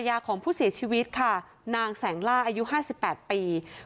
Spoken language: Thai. ไม่ได้ตอนนี้จะไปเกี่ยวเป้าหมายกับอะไรเพราะเขาแบบนี้